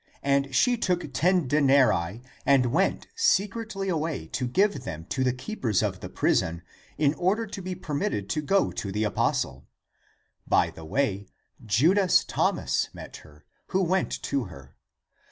And she took ten denarii, and went secretly away to give them to the keepers of the prison in order to be per ACTS OF THOMAS 323 mitted to go to the apostle. By the way Judas Thomas met her, who went to her.